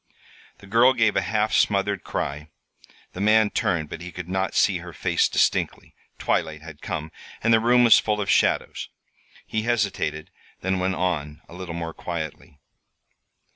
The girl gave a half smothered cry. The man turned, but he could not see her face distinctly. Twilight had come, and the room was full of shadows. He hesitated, then went on, a little more quietly.